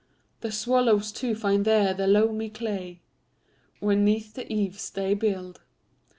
The swallows, too, find there the loamy clayWhen 'neath the eaves they build.